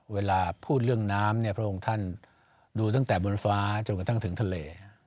เวลาพูดเรื่องน้ำเนี่ยพระองค์ท่านดูตั้งแต่บนฟ้าจนกระทั่งถึงทะเล